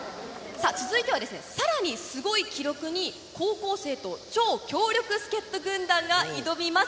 続いてはですね、さらにすごい記録に高校生と超強力助っ人軍団が挑みます。